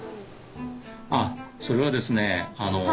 あっそれはですね